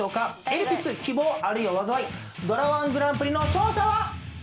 『エルピス−希望、あるいは災い−』ドラ−１グランプリの勝者は。